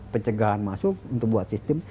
pencegahan masuk untuk buat sistem